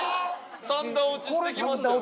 三段落ちしてきましたよ。